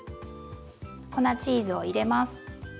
粉チーズを入れます。